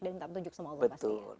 dan ditunjukkan sama allah pasti